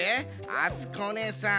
あつこおねえさん